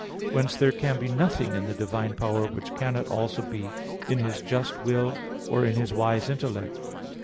Whence, there can be nothing in the divine power which cannot also be in His just will or in His wise intellect.